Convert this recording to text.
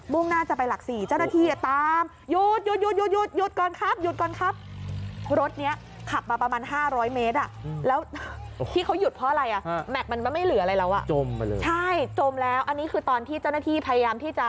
มุ่งหน้าจะไปหลัก๔เจ้าหน้าที่ตาม